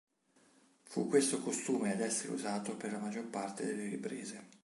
Fu questo costume ad essere usato per la maggior parte delle riprese.